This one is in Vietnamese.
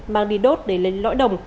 mang đi đốt để lên lõi đồng